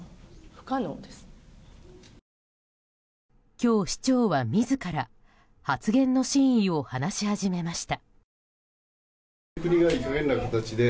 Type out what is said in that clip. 今日、市長は自ら発言の真意を話し始めました。